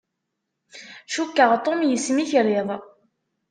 Cukkeɣ Tom yesmikriḍ.